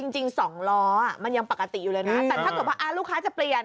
จริง๒ล้อมันยังปกติอยู่เลยนะแต่ถ้าเกิดว่าลูกค้าจะเปลี่ยน